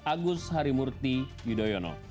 agus harimurti yudhoyono